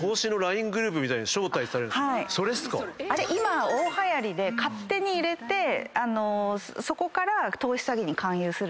あれ今大はやりで勝手に入れてそこから投資詐欺に勧誘する。